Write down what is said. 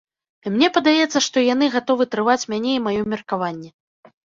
І мне падаецца, што яны гатовы трываць мяне і маё меркаванне.